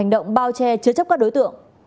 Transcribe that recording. hành động bao che chứa chấp các đối tượng